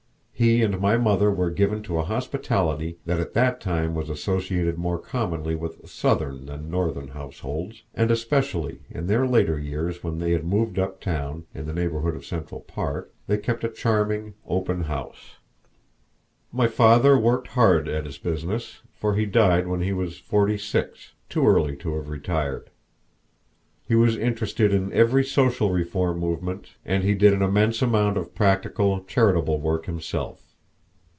He and my mother were given to a hospitality that at that time was associated more commonly with southern than northern households; and, especially in their later years when they had moved up town, in the neighborhood of Central Park, they kept a charming, open house. My father worked hard at his business, for he died when he was forty six, too early to have retired. He was interested in every social reform movement, and he did an immense amount of practical charitable work himself.